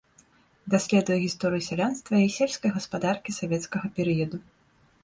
Даследуе гісторыю сялянства і сельскай гаспадаркі савецкага перыяду.